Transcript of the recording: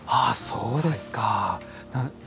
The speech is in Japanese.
そうですか。